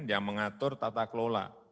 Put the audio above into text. yang mengatur tata kelola